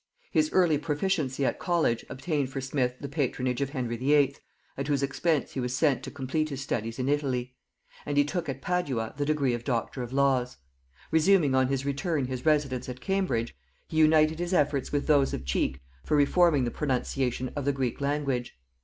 His early proficiency at college obtained for Smith the patronage of Henry VIII., at whose expense he was sent to complete his studies in Italy; and he took at Padua the degree of Doctor of Laws. Resuming on his return his residence at Cambridge, he united his efforts with those of Cheke for reforming the pronunciation of the Greek language.